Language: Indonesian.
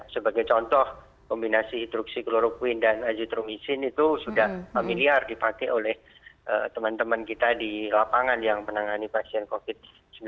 sebagai contoh kombinasi hitruksi kloroquine dan azitromisin itu sudah familiar dipakai oleh teman teman kita di lapangan yang menangani pasien covid sembilan belas